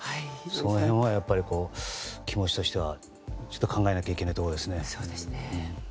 その辺は気持ちとしては考えなきゃいけないところですね。